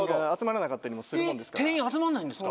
定員集まらないんですか？